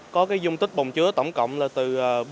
có dung tích bồng chữa tổng cộng là từ